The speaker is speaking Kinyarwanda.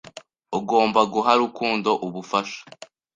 Ugomba guha Rukundo ubufasha.